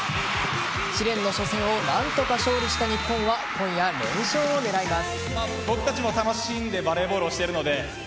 試練の初戦を何とか勝利した日本は今夜、連勝を狙います。